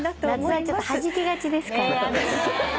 夏はちょっとはじけがちですから。